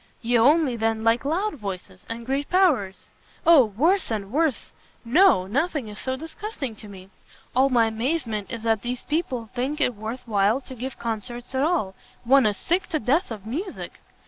"You only, then, like loud voices, and great powers?" "O worse and worse! no, nothing is so disgusting to me. All my amazement is that these people think it worth while to give Concerts at all; one is sick to death of music."